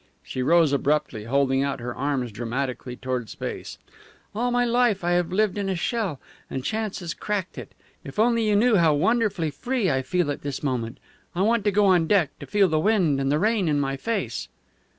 She rose abruptly, holding out her arms dramatically toward space. "All my life I have lived in a shell, and chance has cracked it. If only you knew how wonderfully free I feel at this moment! I want to go on deck, to feel the wind and the rain in my face!"